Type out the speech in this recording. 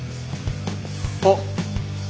あっ。